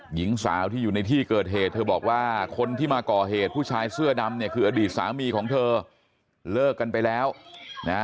หญิงสาวที่อยู่ในที่เกิดเหตุเธอบอกว่าคนที่มาก่อเหตุผู้ชายเสื้อดำเนี่ยคืออดีตสามีของเธอเลิกกันไปแล้วนะ